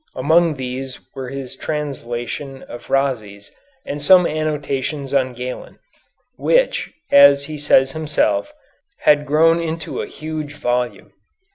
Among these were his translation of Rhazes and some annotations on Galen, which, as he says himself, had grown into a huge volume.